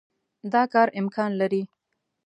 دا کار امکان لري.